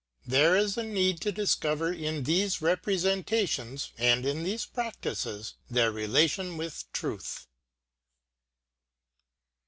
There is need to discover in these representations and in these practices their relation with truth.